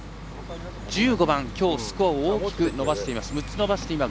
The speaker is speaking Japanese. １５番、きょうスコアを大きく伸ばしています